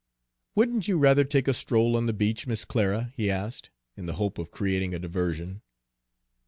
"Wouldn't you rather take a stroll on the beach, Miss Clara?" he asked, in the hope of creating a diversion.